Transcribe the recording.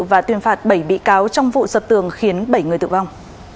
và tuyên phạt bảy bị cáo trong vụ sập tường khiến bảy người tử vong